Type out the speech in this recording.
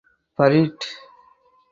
Barrett.